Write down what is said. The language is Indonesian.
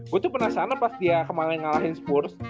gue tuh penasaran pas dia kemarin ngalahin spurs